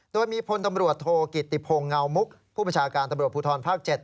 โดยมีพลตำรวจโทกิติพงศ์เงามุกผู้ประชาการตำรวจภูทรภาค๗